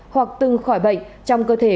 hoặc từng khỏi bệnh trong cơ thể